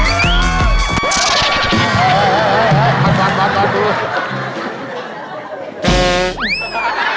อาหารการกิน